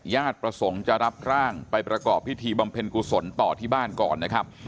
ญาติประสงค์จะรับร่างไปประกอบพิธีบำเพ็ญกุศลต่อที่บ้านก่อนนะครับ